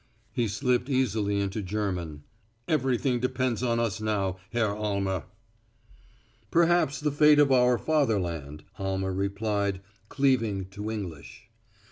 He slipped easily into German. "Everything depends on us now, Herr Almer." "Perhaps the fate of our fatherland," Almer replied, cleaving to English.